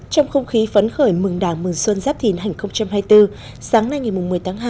trong không khí phấn khởi mừng đảng mừng xuân giáp thìn hai nghìn hai mươi bốn sáng nay ngày một mươi tháng hai